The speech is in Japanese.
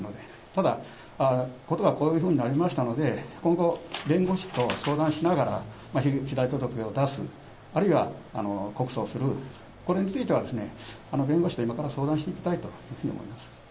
ただ、事がこういうふうになりましたので、今後、弁護士と相談しながら、被害届を出す、あるいは告訴をする、これについては、弁護士と今から相談していきたいというふうに思います。